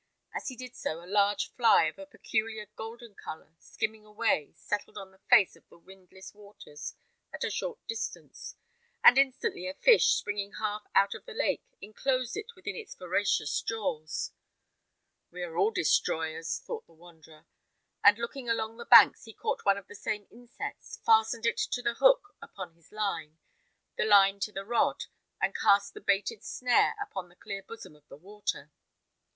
As he did so, a large fly, of a peculiar golden colour, skimming away, settled on the face of the windless waters at a short distance, and instantly a fish, springing half out of the lake, enclosed it within its voracious jaws. "We are all destroyers," thought the wanderer; and looking along the banks, he caught one of the same insects, fastened it to the hook upon his line, the line to the rod, and cast the baited snare upon the clear bosom of the water.